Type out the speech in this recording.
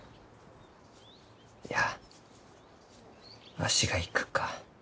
いやわしが行くか。